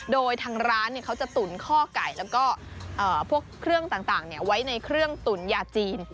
โดยทางร้านเขาจะตุ๋นข้อไก่แล้วก็พวกเครื่องต่างไว้ในเครื่องตุ๋นยาจีน